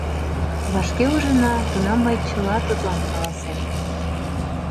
Вашке ужына, тунам мый чыла тудлан каласем...